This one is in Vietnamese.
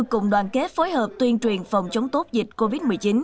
cùng đoàn kết phối hợp tuyên truyền phòng chống tốt dịch covid một mươi chín